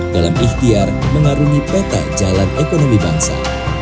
dalam ikhtiar mengarungi peta jalan ekonomi bangsa